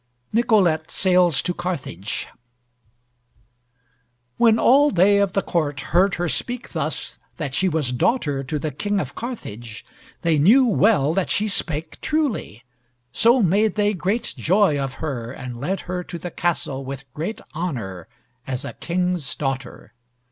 NICOLETTE SAILS TO CARTHAGE When all they of the court heard her speak thus, that she was daughter to the king of Carthage, they knew well that she spake truly; so made they great joy of her, and led her to the castle with great honor, as a king's daughter.